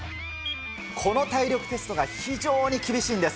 この体力テストが非常に厳しいんです。